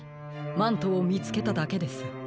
マントをみつけただけです。